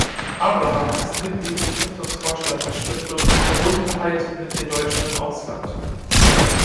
Abraham ist Mitglied im Stiftungsvorstand der Stiftung Verbundenheit mit den Deutschen im Ausland.